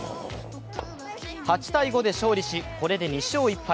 ８−５で勝利し、これで２勝１敗。